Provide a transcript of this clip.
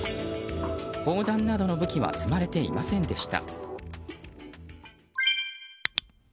砲弾などの武器は積まれていませんでした。